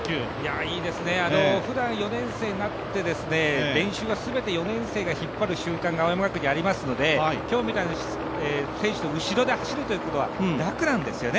いいですね、ふだん、４年生になって、練習は全て４年生が引っ張る習慣が青山学院にはありますので今日みたいに選手の後ろで走るということは楽なんですよね。